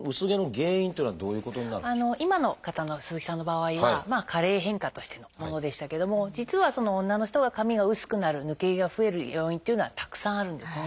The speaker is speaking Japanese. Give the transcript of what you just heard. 今の方の鈴木さんの場合は加齢変化としてのものでしたけども実は女の人が髪が薄くなる抜け毛が増える要因っていうのはたくさんあるんですね。